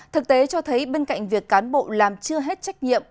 thực tế cho thấy bên cạnh việc cán bộ làm chưa hết trách nhiệm